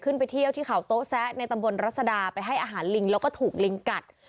ไปเที่ยวที่เขาโต๊ะแซะในตำบลรัศดาไปให้อาหารลิงแล้วก็ถูกลิงกัด